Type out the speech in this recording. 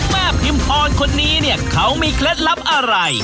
แม่พิมพรคนนี้เขามีเคล็ดลับอะไร